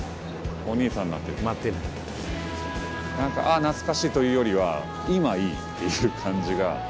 あ懐かしいというよりは今いいっていう感じが。